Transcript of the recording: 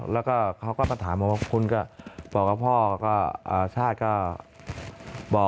แล้วก็เขาก็มาถามว่าคุณก็บอกว่าพ่อก็ชาติก็บอก